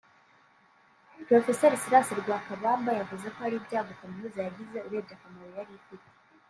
Prof Silas Lwakabamba yavuze ko ari ibyago Kaminuza yagize urebye akamaro yari ifite